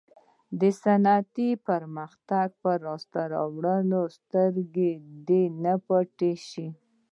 د صنعتي پرمختګ پر لاسته راوړنو سترګې نه دي پټې شوې.